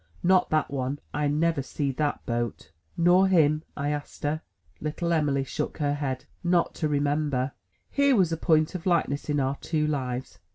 Not that one, I never see that boat." "Nor him?" I asked her. Little Em'ly shook her head. "Not to remember!" Here was a point Of likeness in our two lives!